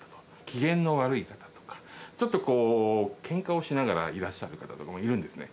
機嫌の悪いと、ちょっとこう、けんかをしながらいらっしゃる方とかもいるんですね。